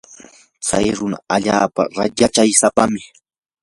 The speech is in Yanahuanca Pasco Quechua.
chay runa allaapa yachaysapam.